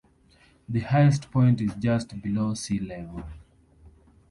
The highest point is just below sea level.